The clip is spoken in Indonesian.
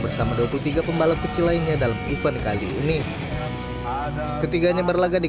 bersama dua puluh tiga pembalap kecil lainnya dalam event kali ini ketiganya berlagak di